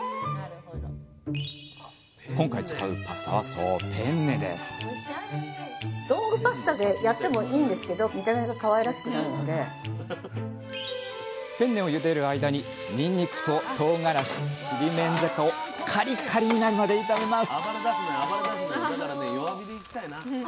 今回使うパスタはそうペンネですペンネをゆでる間ににんにくととうがらしちりめんじゃこをカリカリになるまで炒めます。